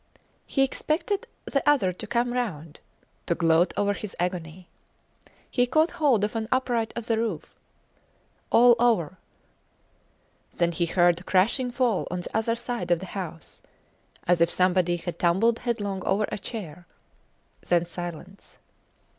He expected the other to come round to gloat over his agony. He caught hold of an upright of the roof All over! Then he heard a crashing fall on the other side of the house, as if somebody had tumbled headlong over a chair then silence.